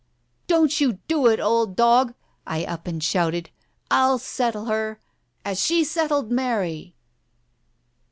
... "Don't you do it, old dog !" I up and shouted. "I'll settle her, as she settled Mary